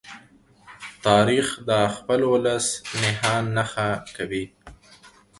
تاریخ د خپل ولس نښان نښه کوي.